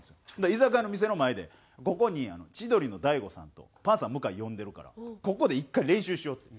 居酒屋の店の前で「ここに千鳥の大悟さんとパンサー向井呼んでるからここで１回練習しよう」と。